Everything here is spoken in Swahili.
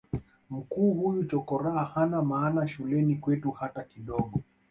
mkuu huyu chokoraa hana maana shuleni kwetu hata kidogo